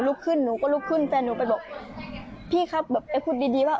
ลุกขึ้นหนูก็ลุกขึ้นแฟนหนูไปบอกพี่ครับแบบเอ้ยพูดดีดีว่า